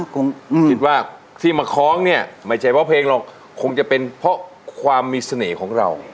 คิดว่าที่มาคล้องเนี่ยไม่ใช่เพราะเพลงหรอกคงจะเป็นเพราะความมีเสน่ห์ของเรา